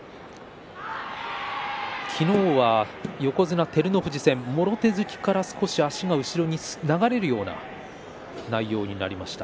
昨日は横綱照ノ富士戦もろ手突きから少し足が少し流れるような内容になりました。